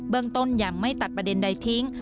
เรื่องต้นยังไม่ตัดประเด็นใดทิ้ง